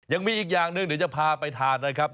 ยังมีอีกอย่างหนึ่งเดี๋ยวจะพาไปทานนะครับ